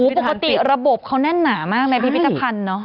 ปกติระบบเขาแน่นหนามากในพิพิธภัณฑ์เนอะ